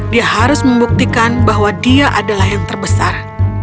dia harus membuktikan bahwa dia adalah yang terbesar